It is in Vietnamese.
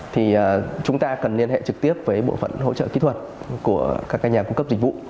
thì chúng ta cần liên hệ trực tiếp với bộ phận hỗ trợ kỹ thuật của các nhà cung cấp dịch vụ